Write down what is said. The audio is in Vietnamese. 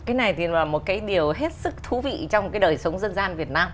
cái này thì là một cái điều hết sức thú vị trong cái đời sống dân gian việt nam